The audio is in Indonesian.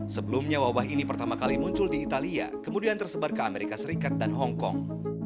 sebelumnya wabah ini pertama kali muncul di italia kemudian tersebar ke amerika serikat dan hongkong